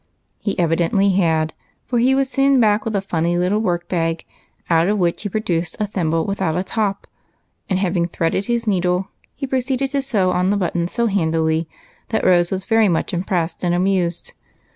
He evidently had, for he was soon back with a funny little work bag, out of which he produced a thimble without a top ; and, having threaded his needle, he proceeded to sew on the buttons so handily that Rose was much impressed and amused.